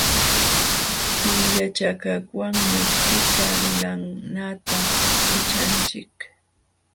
Pillachakaqwanmi tika lulanata pichanchik.